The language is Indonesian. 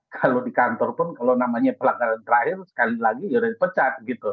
kalau di kantor pun kalau namanya pelanggaran terakhir sekali lagi yaudah dipecat gitu